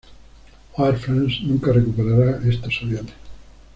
Air France nunca recuperará estos aviones.